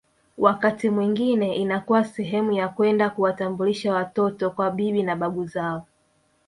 Wakati mwingine inakuwa sehemu ya kwenda kuwatambulisha watoto kwa bibi na babu zao